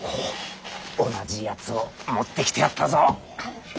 同じやつを持ってきてやったぞ。